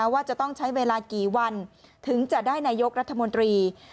ว่าจะต้องใช้เวลากี่วันถึงจะได้นายกรัฐมนตรี